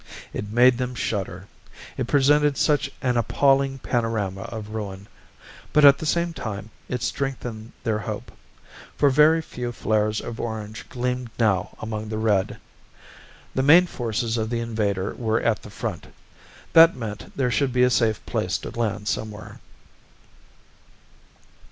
It made them shudder, it presented such an appalling panorama of ruin. But at the same time, it strengthened their hope. For very few flares of orange gleamed now among the red. The main forces of the invader were at the front. That meant there should be a safe place to land somewhere.